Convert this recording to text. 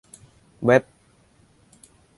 เว็บ